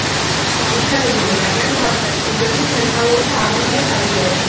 გავრცელებული არიან სამხრეთ ციმბირში, ცენტრალურ და აღმოსავლეთ აზიაში.